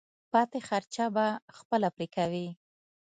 پاتې خرچه به خپله پرې کوې.